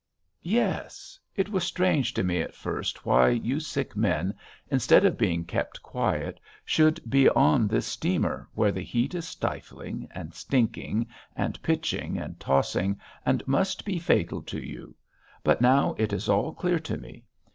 "Yes.... It was strange to me at first, why you sick men, instead of being kept quiet, should be on this steamer, where the heat is stifling, and stinking, and pitching and tossing, and must be fatal to you; but now it is all clear to me....